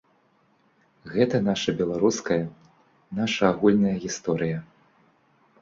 Гэта наша беларуская, наша агульная гісторыя.